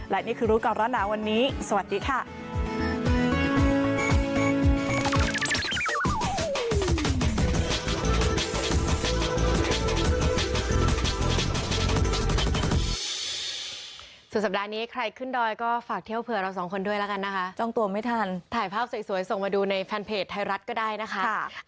และนี่คือรู้กันแล้วนะวันนี้สวัสดีค่ะ